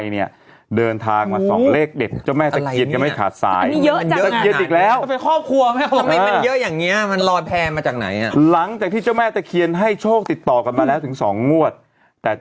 นี่มิกามใหญ่มากเถอะ